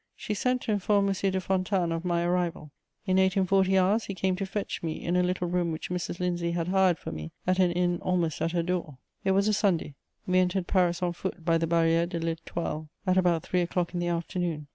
She sent to inform M. de Fontanes of my arrival; in eight and forty hours he came to fetch me in a little room which Mrs. Lindsay had hired for me at an inn almost at her door. [Sidenote: Paris once more.] It was a Sunday: we entered Paris on foot by the Barrière de l'Étoile at about three o'clock in the afternoon.